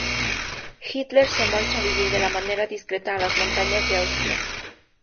Hitler se marcha a vivir de manera discreta a las montañas de Austria.